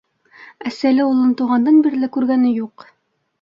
Әсә лә улын тыуғандан бирле күргәне юҡ.